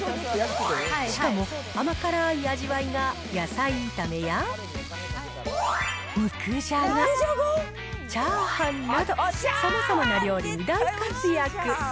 しかも甘辛い味わいが野菜炒めや肉じゃが、チャーハンなど、さまざまな料理に大活躍。